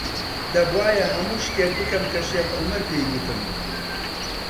دەبووایە هەموو شتێک بکەم کە شێخ عومەر پێی گوتم.